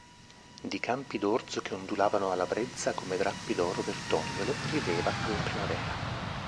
Di campi d'orzo che ondulavano alla brezza come drappi d'oro verdognolo, rideva alla primavera.